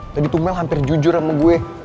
tadi tuh mel hampir jujur sama gue